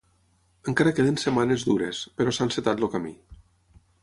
Encara queden setmanes dures…però s'ha encetat el camí.